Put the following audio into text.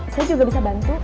saya juga bisa bantu